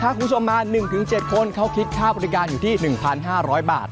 คุณผู้ชมมา๑๗คนเขาคิดค่าบริการอยู่ที่๑๕๐๐บาท